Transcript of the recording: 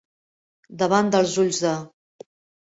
Davant dels ulls de.